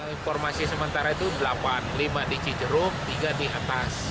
informasi sementara itu delapan lima di cijeruk tiga di atas